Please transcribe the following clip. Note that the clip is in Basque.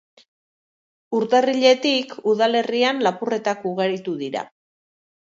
Urtarriletik udalerrian lapurretak ugaritu dira.